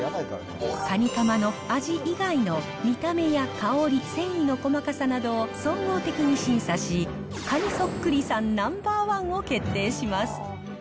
かにかまの味以外の見た目や香り、繊維の細かさなどを総合的に審査し、カニそっくりさんナンバー１を決定します。